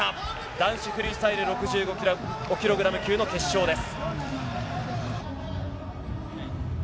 男子フリースタイル６５ｋｇ級の決勝です。